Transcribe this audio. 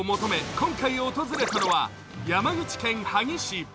今回訪れたのは山口県萩市。